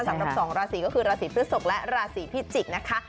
สำหรับ๒ราศีก็คือราศีพฤศกและราศีพิจิกษ์นะคะ